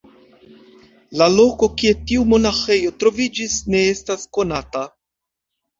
La loko, kie tiu monaĥejo troviĝis ne estas konata.